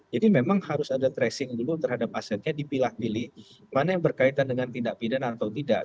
jadi memang harus ada tracing dulu terhadap asetnya dipilah pilih mana yang berkaitan dengan tindak pidan atau tidak